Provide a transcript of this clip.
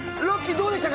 どうでしたか？